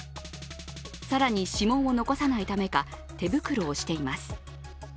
更に指紋を残さないためか、手袋をしています。